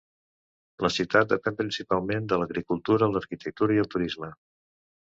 La ciutat depèn principalment de l'agricultura, l'aqüicultura i el turisme.